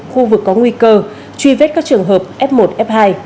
khu vực có nguy cơ truy vết các trường hợp f một f hai